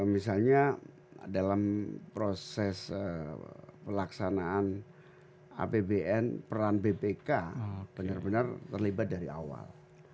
misalnya dalam proses pelaksanaan apbn peran bpk benar benar terlibat dari awal